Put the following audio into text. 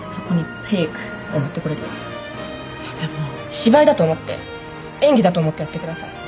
芝居だと思って演技だと思ってやってください